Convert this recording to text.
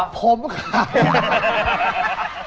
ผมค่ะ